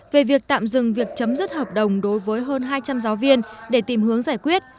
về việc tạm dừng việc chấm dứt hợp đồng đối với hơn hai trăm linh giáo viên để tìm hướng giải quyết